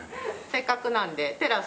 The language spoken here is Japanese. せっかくなんでテラス。